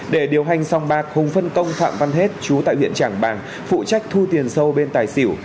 để điều hành song bạc hùng phân công phạm văn hết chú tại huyện trảng bàng phụ trách thu tiền sâu bên tài xỉu